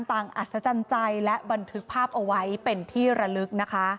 อัศจรรย์ใจและบันทึกภาพเอาไว้เป็นที่ระลึกนะคะ